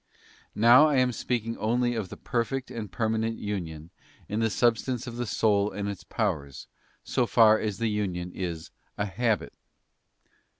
Now I am speaking only of the perfect and permanent union in the substance of the soul and its powers, so far as the union is a habit.